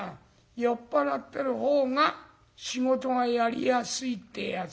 酔っ払ってるほうが仕事がやりやすいってえやつだ。